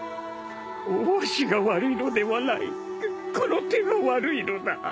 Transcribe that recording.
わしが悪いのではないこの手が悪いのだ。